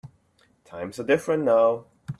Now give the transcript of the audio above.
Times are different now.